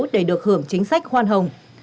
để được hưởng chính sách hoan hồng